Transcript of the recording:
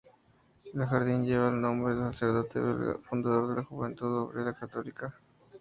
El Jardín lleva el nombre del sacerdote belga, fundador de la Juventud Obrera Católica.